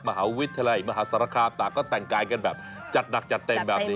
มหาวิทยาลัยมหาสารคามต่างก็แต่งกายกันแบบจัดหนักจัดเต็มแบบนี้